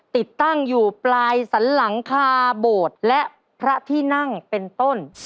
ติดตั้งอยู่ปลายสันหลังคาโบสถ์และพระที่นั่งเป็นต้น